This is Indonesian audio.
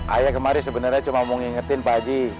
ayah kemari sebenernya cuma mau ngingetin pak haji